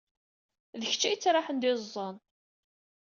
D kečč ay yettraḥen d iẓẓan.